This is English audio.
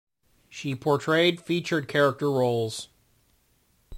She portrayed featured character roles.